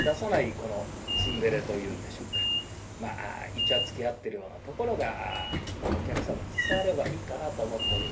このツンデレというんでしょうかまあイチャつきあってるようなところがお客様に伝わればいいかなと思っております。